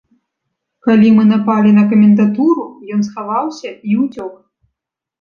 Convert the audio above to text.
Калі мы напалі на камендатуру, ён схаваўся і ўцёк.